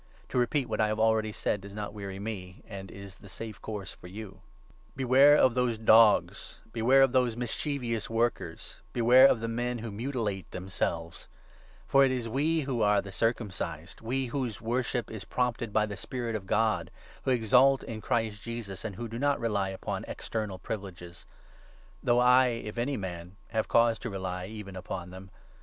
To repeat what I have already written does not weary me, and is the safe course for you. V. — JUDAISM AND CHRISTIANITY. The Beware of those ' dogs '! Beware of those 2 Apostle1* mischievous workers ! Beware of the men who warning, mi Dilate themselves ! For it is we who are the 3 circumcised — we whose worship is prompted by the Spirit of God, who exult in Christ Jesus, and who do not rely upon external privileges ; though I, if any man, have cause to rely 4 even upon them.